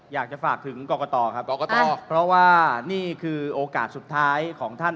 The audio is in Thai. อยากจะฝากถึงกรกตครับกรกตเพราะว่านี่คือโอกาสสุดท้ายของท่าน